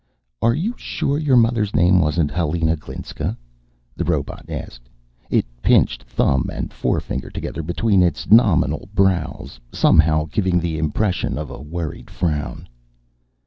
"Are you sure your mother's name wasn't Helena Glinska?" the robot asked. It pinched thumb and forefinger together between its nominal brows, somehow giving the impression of a worried frown.